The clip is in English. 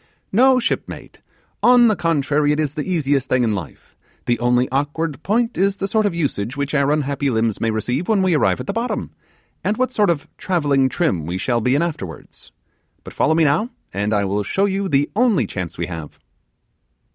'No, shipmate; on the contrary, it is the easiest thing in life: the only awkward point is the sort of usage which our unhappy limbs may receive when we arrive at the bottom, and what sort of travelling trim we shall be in afterwards. But follow me now, and I will show you the only chance we have.